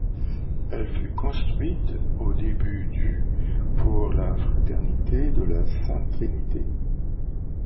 Elle fut construite au début du pour la fraternité de la Sainte Trinité.